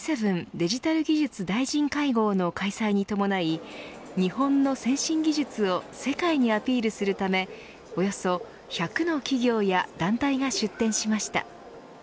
デジタル・技術大臣会合の開催に伴い日本の先進技術を世界にアピールするためおよそ１００の企業や団体が出展しました。